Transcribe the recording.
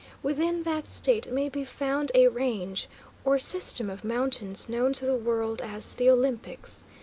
Within that State may be found a range, or system of mountains, known to the world as the Olympics.